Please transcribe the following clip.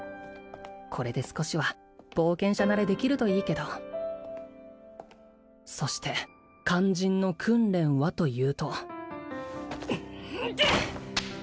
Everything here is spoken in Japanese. これで少しは冒険者慣れできるといいけどそして肝心の訓練はというとていっ！